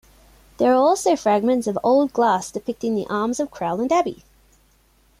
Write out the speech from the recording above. There are also fragments of old glass depicting the arms of Crowland Abbey.